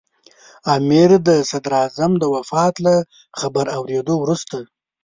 امیر د صدراعظم د وفات له خبر اورېدو وروسته.